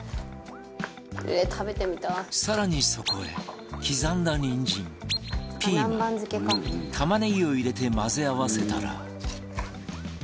更にそこへ刻んだ人参ピーマン玉ねぎを入れて混ぜ合わせたら